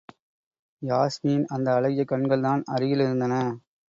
யாஸ்மியின் அந்த அழகிய கண்கள்தான் அருகில் இருந்தன.